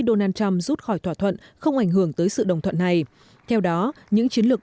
donald trump rút khỏi thỏa thuận không ảnh hưởng tới sự đồng thuận này theo đó những chiến lược